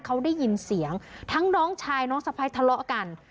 เขาได้ยินเสียงทั้งน้องชายน้องสะพ้ายทะเลาะกัน